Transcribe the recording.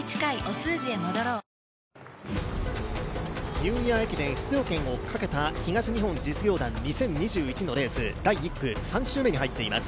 ニューイヤー駅伝出場権をかけた東日本実業団２０２１のレース第１区、３周目に入っています。